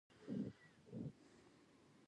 او د مشاهدې قوي وړتیا ولري.